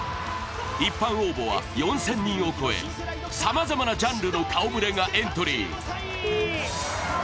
一般応募は４０００人を超えさまざまなジャンルの顔ぶれがエントリー。